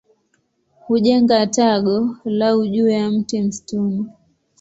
Hujenga tago lao juu ya mti msituni.